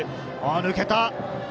抜けた。